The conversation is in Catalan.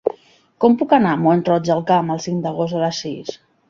Com puc anar a Mont-roig del Camp el cinc d'agost a les sis?